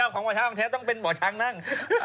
ของหมอช้างต้องเป็นหมอช้างนั่ง